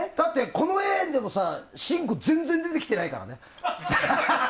この絵でもさ信五、全然出てきてないからね。